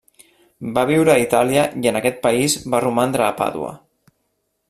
Va viure a Itàlia i en aquest país va romandre a Pàdua.